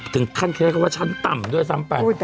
ถึงขั้นใช้คำว่าชั้นต่ำด้วยซ้ำไป